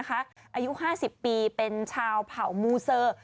อายุ๕๐ปีเป็นชาวเผ่ามูเซอร์